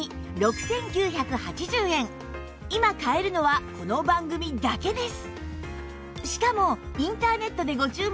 今買えるのはこの番組だけです